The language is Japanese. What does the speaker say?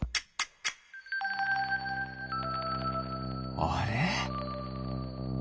あれ？